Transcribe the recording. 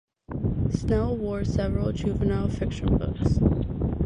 Snell wrote several juvenile fiction books.